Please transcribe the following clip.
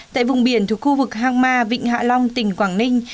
tại vùng biển thuộc khu vực hang ma vịnh hạ long tỉnh quảng ninh